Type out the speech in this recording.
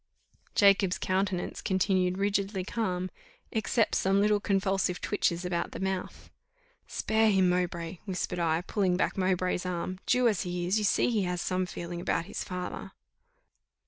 Jacob's countenance continued rigidly calm, except some little convulsive twitches about the mouth. "Spare him, Mowbray," whispered I, pulling back Mowbray's arm; "Jew as he is, you see he has some feeling about his father."